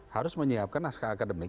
harus menyiapkan naskah akademik